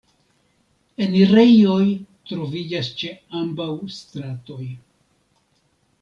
Enirejoj troviĝas ĉe ambaŭ stratoj.